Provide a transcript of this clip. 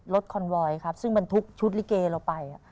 รถคอนโวยซ์ซึ่งมันทุกข์ชุดลิเกงศ์เราไป